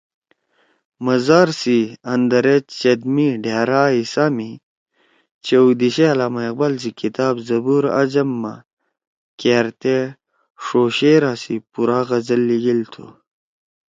مزار سی اندرے چت می ڈھأرا حِصہ می چؤ دیِشے علامہ اقبال سی کِتاب ”زبورِ عجم“ ما کأرتے ݜو شعرا سی پُورا غزل لیِگیل تُھو